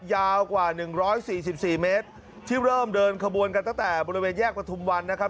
ยาวกว่า๑๔๔เมตรที่เริ่มเดินขบวนกันตั้งแต่บริเวณแยกประทุมวันนะครับ